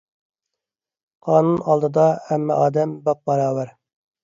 قانۇن ئالدىدا ھەممە ئادەم باپباراۋەر.